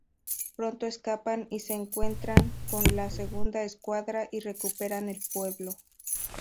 Pronto escapan y se encuentran con la segunda escuadra y recuperan el pueblo.